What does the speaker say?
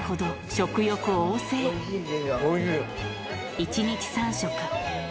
１日３食。